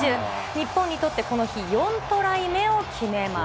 日本にとって、この日４トライ目を決めます。